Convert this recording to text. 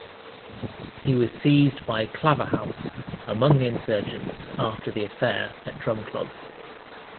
He was seized by Claverhouse among the insurgents after the affair at Drumclog.